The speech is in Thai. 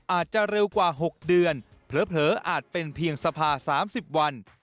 อาจจะเร็วกว่า๖เดือนเผลออาจเป็นเพียงสภา๓๐วัน